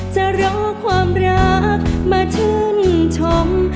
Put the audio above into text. จะรอความรักมาชื่นชม